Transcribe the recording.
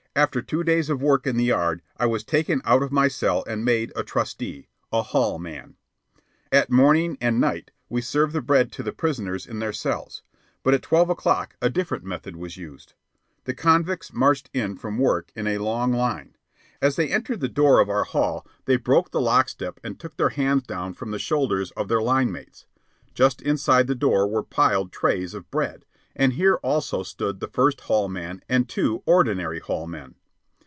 After two days of work in the yard I was taken out of my cell and made a trusty, a "hall man." At morning and night we served the bread to the prisoners in their cells; but at twelve o'clock a different method was used. The convicts marched in from work in a long line. As they entered the door of our hall, they broke the lock step and took their hands down from the shoulders of their line mates. Just inside the door were piled trays of bread, and here also stood the First Hall man and two ordinary hall men.